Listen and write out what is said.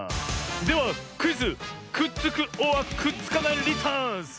ではクイズ「くっつくｏｒくっつかないリターンズ」！